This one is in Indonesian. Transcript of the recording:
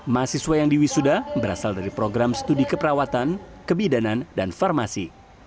mahasiswa yang diwisuda berasal dari program studi keperawatan kebidanan dan farmasi